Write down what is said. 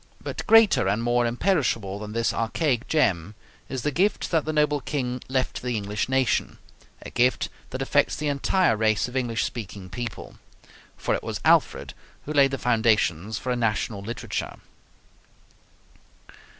But greater and more imperishable than this archaic gem is the gift that the noble King left to the English nation a gift that affects the entire race of English speaking people. For it was Alfred who laid the foundations for a national literature.